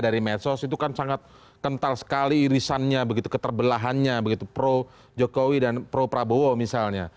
dari medsos itu kan sangat kental sekali irisannya begitu keterbelahannya begitu pro jokowi dan pro prabowo misalnya